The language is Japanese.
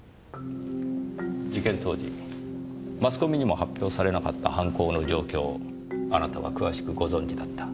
事件当時マスコミにも発表されなかった犯行の状況をあなたは詳しくご存じだった。